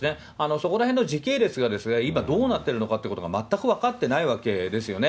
そこらへんの時系列が、今、どうなっているのかっていうことが、全く分かってないわけですよね。